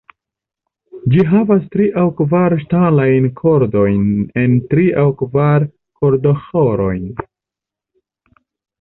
Ĝi havas tri aŭ kvar ŝtalajn kordojn en tri aŭ kvar kordoĥoroj.